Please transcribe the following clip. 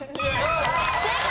正解。